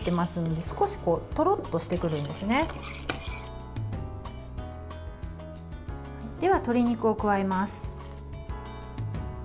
では、鶏肉を加えます。